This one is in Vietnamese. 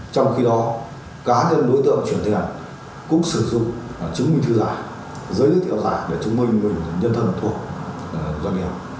trong khi đó các đối tượng chuyển tiền cũng sử dụng chứng minh thư giả giới thiệu giả để chứng minh mình nhân thân thuộc doanh nghiệp